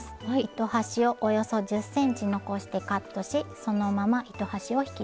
糸端をおよそ１０ｃｍ残してカットしそのまま糸端を引き出します。